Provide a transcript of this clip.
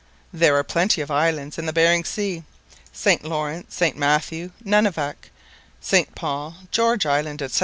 There are plenty of islands in Behring Sea, St Lawrence, St Matthew, Nunivak, St Paul, George island, &c.